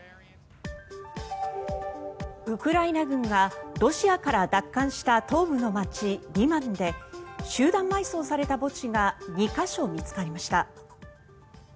ウクライナ軍がロシアから奪還した東部の街リマンで集団埋葬された墓地が２か所見つかりました。